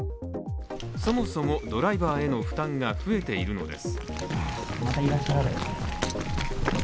そもそもドライバーへの負担が増えているのです。